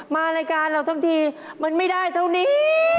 มารายการเราทั้งทีมันไม่ได้เท่านี้